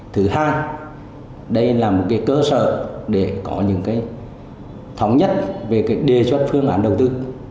thứ hai đây là một cái cơ sở để có những cái thống nhất về cái đề xuất phương án đầu tư